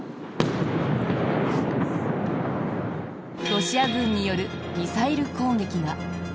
ロシア軍によるミサイル攻撃が。